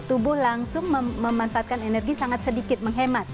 tubuh langsung memanfaatkan energi sangat sedikit menghemat